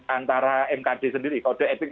antara mkd sendiri kode etik